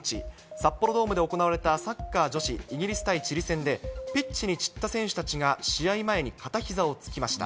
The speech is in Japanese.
札幌ドームで行われたサッカー女子イギリス対チリ戦で、ピッチに散った選手たちが試合前に片ひざをつきました。